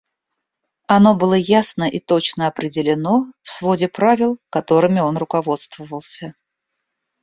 Оно было ясно и точно определено в своде правил, которыми он руководствовался.